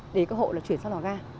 để cái hộp là chuyển sang lò ga